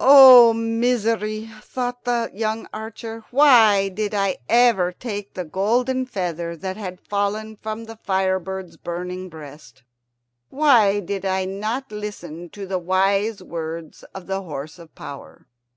"Oh, misery!" thought the young archer. "Why did I ever take the golden feather that had fallen from the fire bird's burning breast? Why did I not listen to the wise words of the horse of power?"